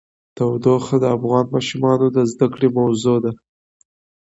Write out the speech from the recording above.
تودوخه د افغان ماشومانو د زده کړې موضوع ده.